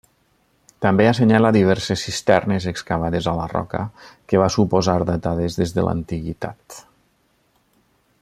També assenyala diverses cisternes excavades a la roca, que va suposar datades des de l'antiguitat.